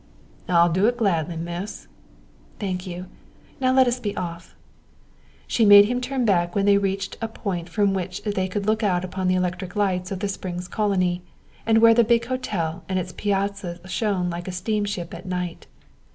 "I'll do it gladly, Miss." "Thank you; now let us be off." She made him turn back when they reached a point from which they could look upon the electric lights of the Springs colony, and where the big hotel and its piazzas shone like a steamship at night.